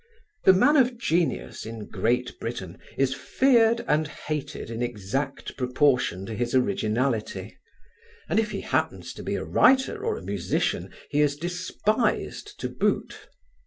The man of genius in Great Britain is feared and hated in exact proportion to his originality, and if he happens to be a writer or a musician he is despised to boot.